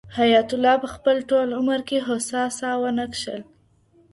حیات الله په خپل ټول عمر کې هوسا ساه ونه کښله.